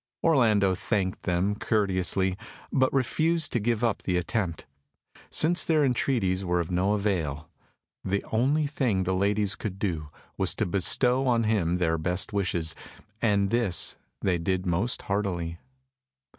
Orlando thanked them courteously, but refused to give up the attempt. Since their entreaties were of no avail, the only thing the ladies could do was to bestow on him their best wishes, and this they did most heartily.